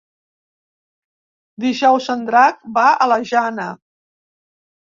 Dijous en Drac va a la Jana.